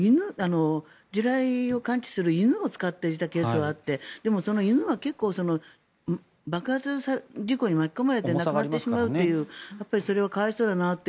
地雷を感知する犬を使っていたケースがあってでも、その犬は結構、爆発事故に巻き込まれて亡くなってしまうというそれは可哀想だなと。